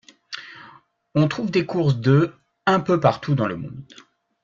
On trouve des courses de un peu partout dans le monde.